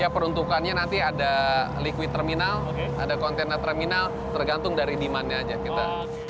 peruntukannya nanti ada liquid terminal ada kontainer terminal tergantung dari demandnya aja kita